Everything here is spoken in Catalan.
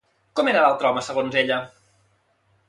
Com era l'altre home, segons ella?